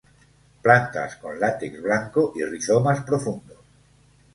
Plantas con látex blanco y rizomas profundos.